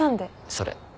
それ。